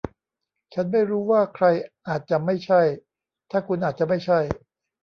ฉันไม่รู้ว่าใครอาจจะไม่ใช่ ถ้าคุณอาจจะไม่ใช่